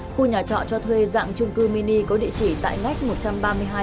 khu nhà trọ cho thuê dạng trung cư mini có địa chỉ tại ngách một trăm ba mươi hai trên một cầu giấy